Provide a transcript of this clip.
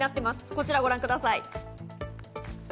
こちらをご覧ください。